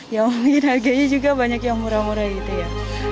ya mungkin harganya juga banyak yang murah murah gitu ya